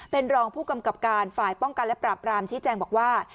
เป็นรองผู้กำกับการฝ่ายป้องกันและปราบรามชี้แจงบอกว่า